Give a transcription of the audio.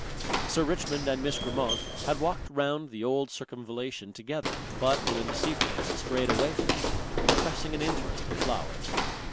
Sir Richmond and Miss Grammont had walked round the old circumvallation together, but Belinda Seyffert had strayed away from them, professing an interest in flowers.